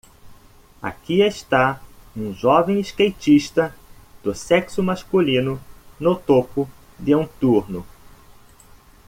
Aqui está um jovem skatista do sexo masculino no topo de um turno